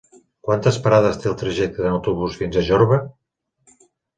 Quantes parades té el trajecte en autobús fins a Jorba?